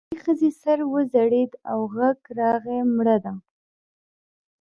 زړې ښځې سر وځړېد او غږ راغی مړه ده.